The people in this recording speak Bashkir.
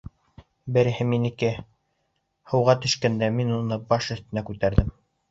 Береһе минеке, һыуға төшкәндә мин уны баш өҫтөнә күтәрҙем.